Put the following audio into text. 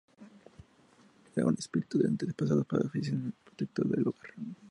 Eran espíritus de antepasados, que oficiaban de protectores del hogar.